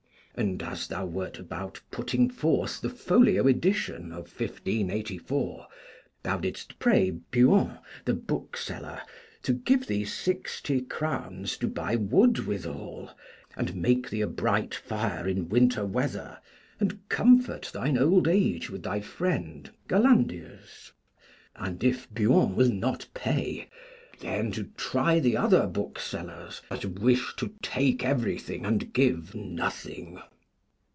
And as thou wert about putting forth the folio edition of 1584, thou didst pray Buon, the bookseller, to give thee sixty crowns to buy wood withal, and make thee a bright fire in winter weather, and comfort thine old age with thy friend Gallandius. And if Buon will not pay, then to try the other book sellers, 'that wish to take everything and give nothing.'